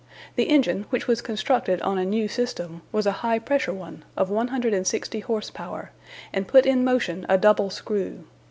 The engine, which was constructed on a new system, was a high pressure one, of 160 horse power, and put in motion a double screw.